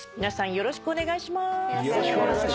よろしくお願いします。